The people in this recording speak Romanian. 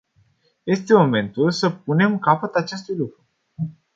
Este momentul să punem capăt acestui lucru.